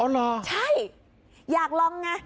อ๋อเหรอใช่อยากลองนะ